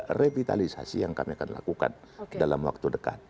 ada revitalisasi yang kami akan lakukan dalam waktu dekat